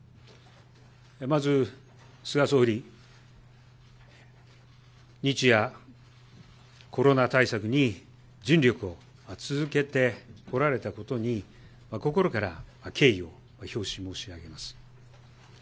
まず菅総理、日夜、コロナ対策に尽力を続けてこられたことに、心から敬意を表し申し上げます。